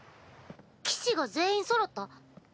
騎士が全員そろった？